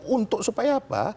untuk supaya apa